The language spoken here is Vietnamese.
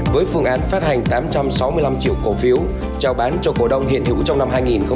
với phương án phát hành tám trăm sáu mươi năm triệu cổ phiếu trao bán cho cổ đông hiện hữu trong năm hai nghìn hai mươi